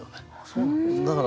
そうなんですか？